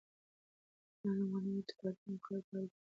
معلم غني وویل چې تعلیم او کار دواړه د ټولنې لپاره اړین دي.